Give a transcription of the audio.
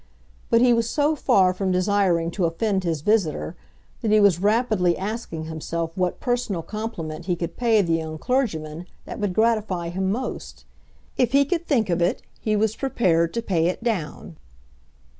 But he was so far from desiring to offend his visitor that he was rapidly asking himself what personal compliment he could pay the young clergyman that would gratify him most. If he could think of it, he was prepared to pay it down.